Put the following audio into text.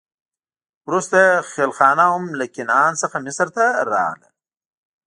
وروسته یې خېلخانه هم له کنعان څخه مصر ته راغله.